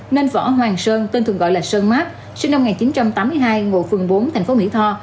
nên võ hoàng sơn tên thường gọi là sơn mát sinh năm một nghìn chín trăm tám mươi hai ngụ phường bốn thành phố mỹ tho